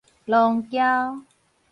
瑯嶠